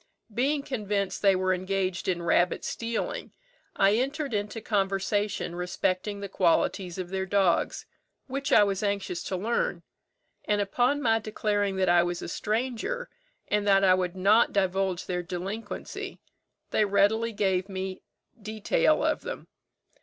Being convinced they were engaged in rabbit stealing, I entered into conversation respecting the qualities of their dogs, which I was anxious to learn; and upon my declaring that I was a stranger, and that I would not divulge their delinquency, they readily gave me a detail of them.